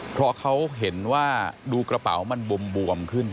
เพราะเขาเห็นว่าดูกระเป๋ามันบวมขึ้น